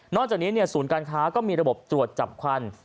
จากนี้ศูนย์การค้าก็มีระบบตรวจจับควัน